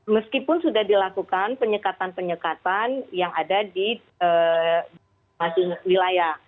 meskipun sudah dilakukan penyekatan penyekatan yang ada di masing masing wilayah